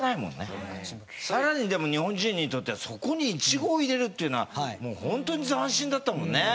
さらにでも日本人にとってはそこにいちごを入れるっていうのはもうホントに斬新だったもんね。